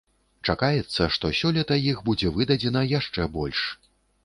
Чакаецца, што сёлета іх будзе выдадзена яшчэ больш.